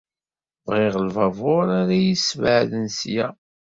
Bɣiɣ lbabuṛ ara yi-yesbeɛden ssya.